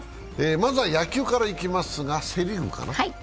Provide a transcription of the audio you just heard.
まずは野球からいきますが、セ・リーグかな。